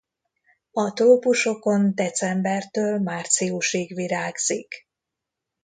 A trópusokon decembertől márciusig virágzik.